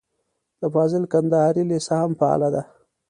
د فاضل کندهاري لېسه هم فعاله ده.